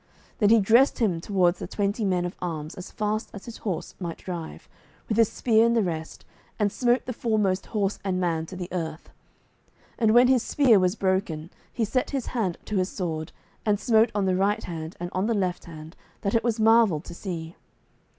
Then he dressed him towards the twenty men of arms as fast as his horse might drive, with his spear in the rest, and smote the foremost horse and man to the earth. And when his spear was broken he set his hand to his sword, and smote on the right hand and on the left hand, that it was marvel to see.